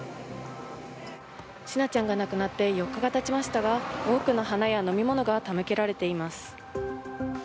千奈ちゃんが亡くなって４日がたちましたが、多くの花や飲み物が手向けられています。